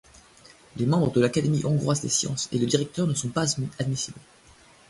Les membres de l'Académie hongroise des sciences et le directeur ne sont pas admissibles.